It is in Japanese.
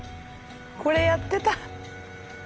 これやってた。